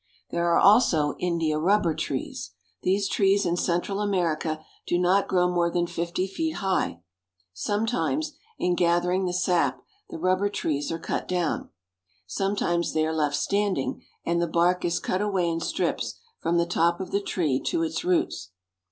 There are also India rubber trees. These trees in Central America do not grow more than fifty feet high. Sometimes, in gathering the sap, the rubber trees are cut down. Sometimes they are left standing, and the bark is cut away in strips from the top of the tree to its roots.